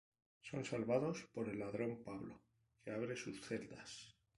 Son salvados por el ladrón Pablo, que abre sus celdas.